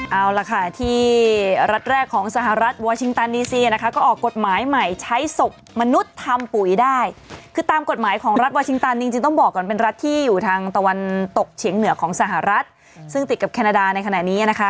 เอาล่ะค่ะที่รัฐแรกของสหรัฐวัลชิงตันนีเซียนะคะก็ออกกฎหมายใหม่ใช้ศพมนุษย์ทำปุ๋ยได้คือตามกฎหมายของรัฐวาชิงตันจริงจริงต้องบอกก่อนเป็นรัฐที่อยู่ทางตะวันตกเฉียงเหนือของสหรัฐซึ่งติดกับแคนาดาในขณะนี้นะคะ